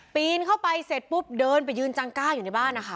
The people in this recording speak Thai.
ปีนเข้าไปเสร็จปุ๊บเดินไปยืนจังกล้าอยู่ในบ้านนะคะ